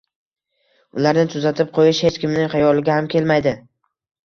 ularni tuzatib qo‘yish hech kimning xayoliga ham kelmaydi.